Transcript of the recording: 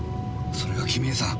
それが公江さん！